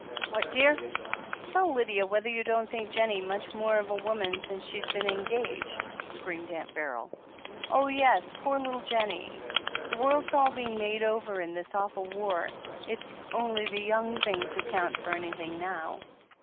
'What, dear?" Tell Lydia whether you don't think Jennie much more of a woman since she's been engaged," screamed Aunt Beryl. "Oh ! Yes, poor little Jennie ! The world's all being made over in this awful war — it's only the young things who count for anything now."